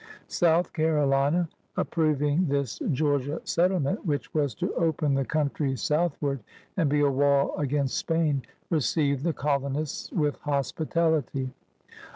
South Carolina, approving this Georgia settle ment which was to open the coimtry southward and be a wall against Spain, received the colonists with hospitality.